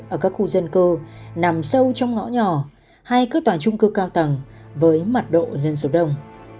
ở các khu dân cơ nằm sâu trong ngõ nhỏ hay cơ toàn trung cơ cao tầng với mặt độ dân số đông